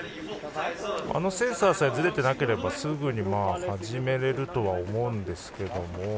あのセンサーさえずれていなければすぐに始められるとは思うんですけども。